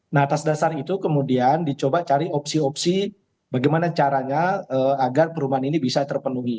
nah atas dasar itu kemudian dicoba cari opsi opsi bagaimana caranya agar perumahan ini bisa terpenuhi